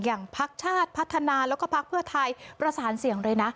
อย่างภักดิ์ชาติพัฒนาแล้วก็ภักดิ์เพื่อไทยประสานเสียงเลยนะ